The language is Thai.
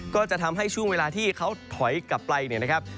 ก็จะทำให้ช่วงเวลาที่เขาถอยกลับไปเนี่ยนะครับ